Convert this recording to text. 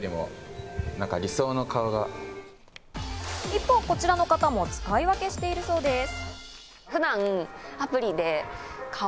一方、こちらの方も使い分けしているそうです。